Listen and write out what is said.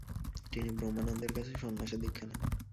তিনি ব্রহ্মানন্দের কাছে সন্ন্যাসে দীক্ষা নেন।